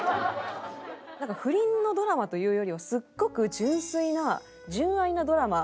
なんか不倫のドラマというよりはすごく純粋な純愛なドラマで。